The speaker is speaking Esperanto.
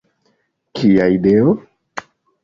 Kia ideo!